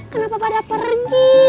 kenapa pada pergi